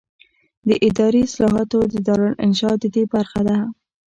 د اداري اصلاحاتو دارالانشا ددې برخه ده.